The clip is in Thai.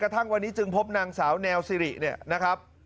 ทั้งวันนี้จึงพบนางสาวแนวซิริเนี่ยนะครับ